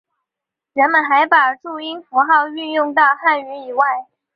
人们还把注音符号运用到汉语以外。